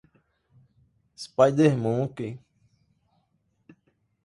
spidermonkey